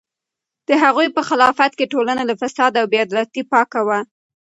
د هغوی په خلافت کې ټولنه له فساد او بې عدالتۍ پاکه وه.